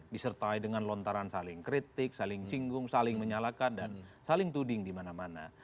disertai dengan lontaran saling kritik saling singgung saling menyalahkan dan saling tuding di mana mana